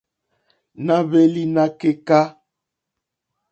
Na hweli na keka.